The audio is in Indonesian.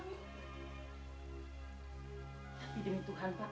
tapi demi tuhan pak